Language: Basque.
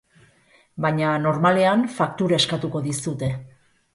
Baina normalean faktura eskatuko dizute.